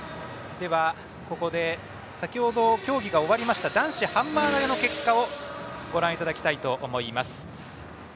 では、ここで先ほど競技が終わりました男子ハンマー投げの結果をご覧いただきます。